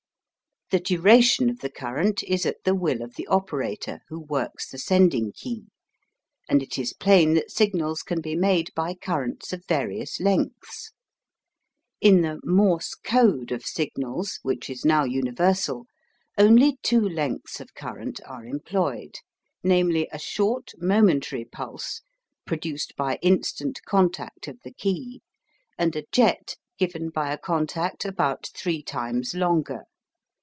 The duration of the current is at the will of the operator who works the sending key, and it is plain that signals can be made by currents of various lengths. In the "Morse code" of signals, which is now universal, only two lengths of current are employed namely, a short, momentary pulse, produced by instant contact of the key, and a jet given by a contact about three times longer.